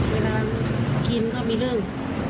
เวลากินก็มีเรื่อง